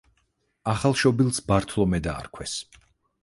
ახალშობილს ბართლომე დაარქვეს.